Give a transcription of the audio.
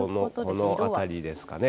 このあたりですかね。